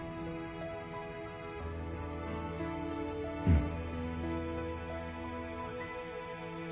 うん。